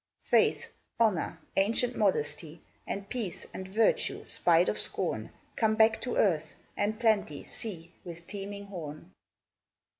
Faith, Honour, ancient Modesty, And Peace, and Virtue, spite of scorn, Come back to earth; and Plenty, see, With teeming horn.